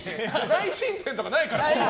内申点とかないから！